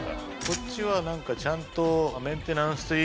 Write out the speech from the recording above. こっちは何かちゃんと。